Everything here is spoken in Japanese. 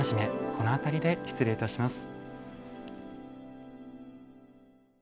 この辺りで失礼いたします。